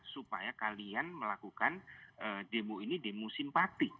supaya kalian melakukan demo ini demo simpati